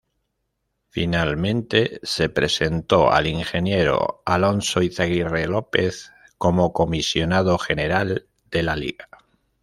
Finalmente, se presentó al ingeniero Alonso Izaguirre López como "Comisionado General" de la liga.